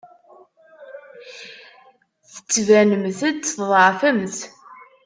Tettbanemt-d tḍeɛfemt.